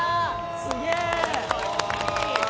すげえ！